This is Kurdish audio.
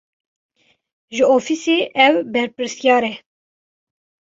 Ji ofîsê ew berpirsiyar e.